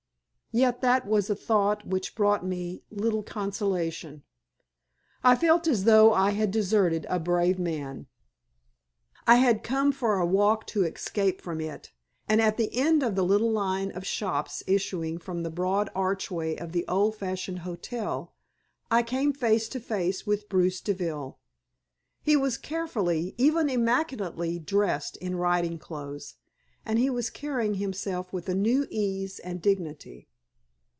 Yet that was a thought which brought me little consolation. I felt as though I had deserted a brave man. I had come for a walk to escape from it, and at the end of the little line of shops issuing from the broad archway of the old fashioned hotel I came face to face with Bruce Deville. He was carefully, even immaculately, dressed in riding clothes, and he was carrying himself with a new ease and dignity.